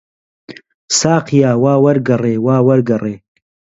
ساقییا، وا وەرگەڕێ، وا وەرگەڕێ!